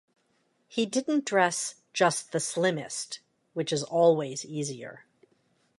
He didn't dress just the slimmest, which is always easier.